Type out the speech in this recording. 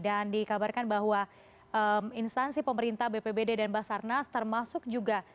dan dikabarkan bahwa instansi pemerintah bpbd dan basarnas termasuk juga